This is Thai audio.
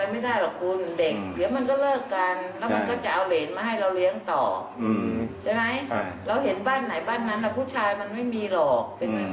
มีทางแต่ไม่ยอมหรอก